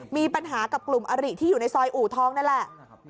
มีปัญหากับกลุ่มอริที่อยู่ในซอยอู่ทองนั่นแหละ